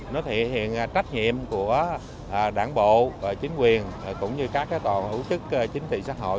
nó thể hiện trách nhiệm của đảng bộ chính quyền cũng như các tổ hữu chức chính trị xã hội